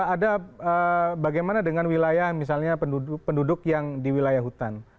ada bagaimana dengan wilayah misalnya penduduk yang di wilayah hutan